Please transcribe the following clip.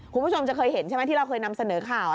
คุณผู้ชมจะเคยเห็นใช่ไหมที่เราเคยนำเสนอข่าว